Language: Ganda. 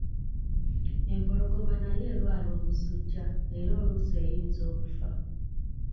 Empologoma nayo erwala omusujja era oluusi eyinza okufa.